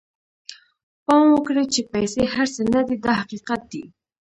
پام وکړئ چې پیسې هر څه نه دي دا حقیقت دی.